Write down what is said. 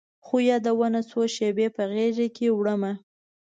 څو یادونه، څو شیبې په غیږکې وړمه